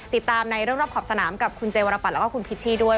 ติดตามในร่วมรอบขอบสนามกับคุณเจวรปันและคุณพิธีด้วย